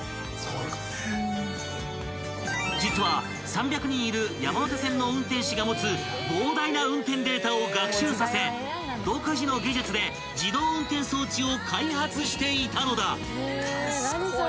［実は３００人いる山手線の運転士が持つ膨大な運転データを学習させ独自の技術で自動運転装置を開発していたのだ］